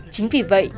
chính vì vậy